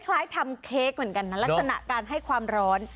คล้ายทำเค้กเหมือนกันนะลักษณะการให้ความร้อน